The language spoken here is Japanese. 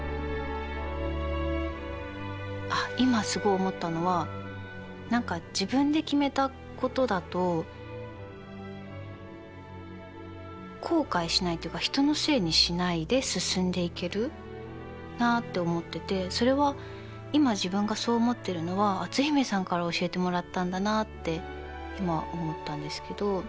あっ今すごい思ったのは何か自分で決めたことだと後悔しないっていうか人のせいにしないで進んでいけるなって思っててそれは今自分がそう思ってるのは篤姫さんから教えてもらったんだなって今思ったんですけど。